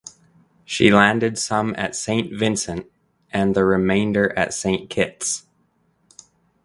She landed some at St Vincent and the remainder at St Kitts.